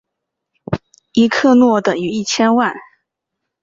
一克若等于一千万。